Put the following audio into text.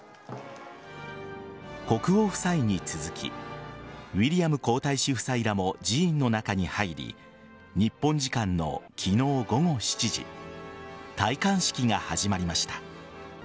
国王夫妻に続きウィリアム皇太子夫妻らも寺院の中に入り日本時間の昨日午後７時戴冠式が始まりました。